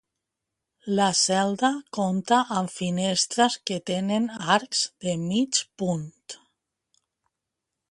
La cel·la compta amb finestres que tenen arcs de mig punt.